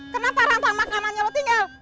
kenapa rantang makanannya lo tinggal